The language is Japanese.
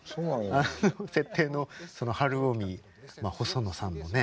あの設定のその晴臣細野さんのね